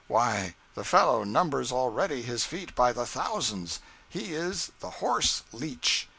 Why, the fellow numbers already his feet by the thousands. He is the horse leech.